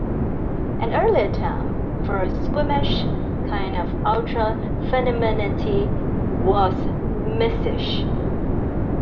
An earlier term for a squeamish kind of ultra femininity was "missish".